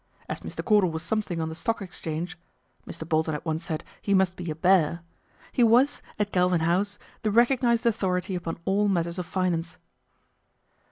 As Mr. Cordal was something on the Stock Exchange (Mr. Bolton had once said he must be a " bear ") he was, at Galvin House, the recog nised authority upon all matters of finance.